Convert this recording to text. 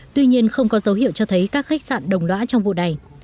tuy nhiên không có dấu hiệu cho thấy các khách sạn đồng đoã trong vụ này